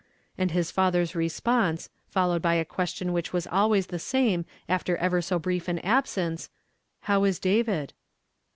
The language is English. " and liis father's response, followed by a question which was always the same after ever so brief an absence, ''How is David?"